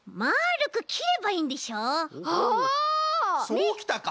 そうきたか！